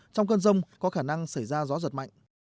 trong cơn rông có khả năng xảy ra gió giật mạnh